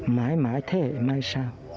mãi mãi thế hệ mai sau